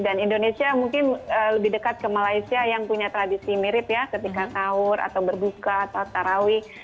dan indonesia mungkin lebih dekat ke malaysia yang punya tradisi mirip ya ketika sahur atau berbuka atau taraweh